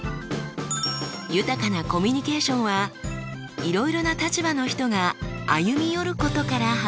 豊かなコミュニケーションはいろいろな立場の人が歩み寄ることから始まります。